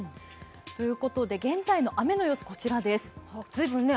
ということで現在の雨の様子、こちらです。